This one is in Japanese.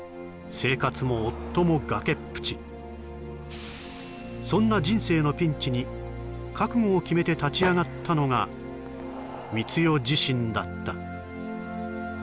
生活も夫も崖っぷちそんな人生のピンチに覚悟を決めて立ち上がったのが光代自身だった